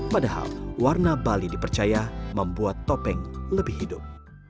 padahal warna bali dipercaya membuat topeng lebih hidup